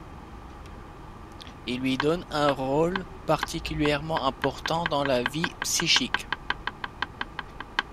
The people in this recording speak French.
Il lui donne un rôle particulièrement important dans la vie psychique.